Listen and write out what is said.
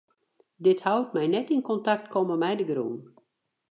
Dit hout mei net yn kontakt komme mei de grûn.